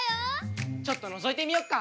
ちょっとのぞいてみよっか！